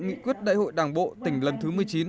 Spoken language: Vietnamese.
nghị quyết đại hội đảng bộ tỉnh lần thứ một mươi chín